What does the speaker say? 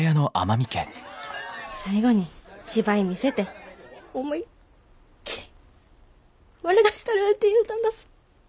最後に芝居見せて思いっきり笑かしたるって言うたんだす。